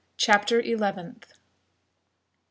CHAPTER ELEVENTH.